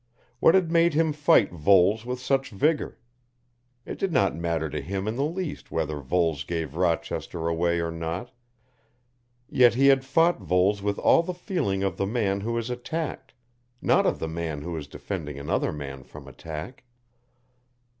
What had made him fight Voles with such vigour? It did not matter to him in the least whether Voles gave Rochester away or not, yet he had fought Voles with all the feeling of the man who is attacked, not of the man who is defending another man from attack.